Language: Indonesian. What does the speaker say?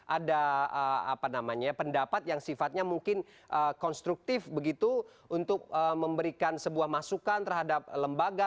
ada pendapat yang sifatnya mungkin konstruktif begitu untuk memberikan sebuah masukan terhadap lembaga